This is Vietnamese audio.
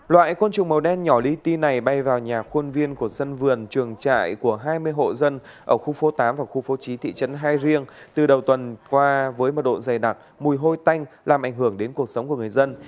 loại côn trùng màu đen nhỏ lý ti này bay vào nhà khuôn viên của sân vườn trường trại của hai mươi hộ dân ở khu phố tám và khu phố chín thị trấn hai riêng từ đầu tuần qua với mật độ dày đặc mùi hôi tanh làm ảnh hưởng đến cuộc sống của người dân